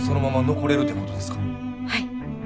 はい。